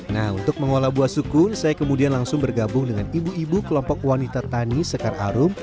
nah untuk mengolah buah sukun saya kemudian langsung bergabung dengan ibu ibu kelompok wanita tani sekar arum